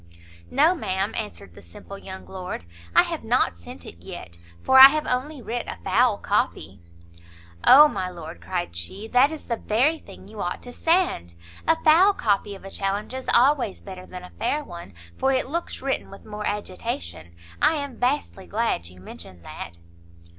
"No, ma'am," answered the simple young lord, "I have not sent it yet, for I have only writ a foul copy." "O my lord," cried she, "that is the very thing you ought to send! a foul copy of a challenge is always better than a fair one, for it looks written with more agitation. I am vastly glad you mentioned that."